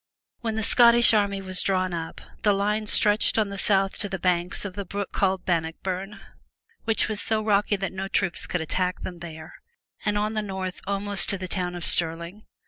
When the Scottish army was drawn up, the line stretched on the south to the banks of the brook called Bannockburn, which are so rocky that no troops could attack them there, and on the north almost to the town of Stirling.